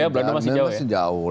belanda masih jauh